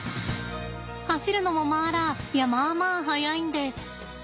走るのもマーラーいやマーマー速いんです。